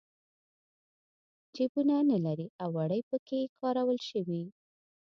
جېبونه نه لري او وړۍ پکې کارول شوي.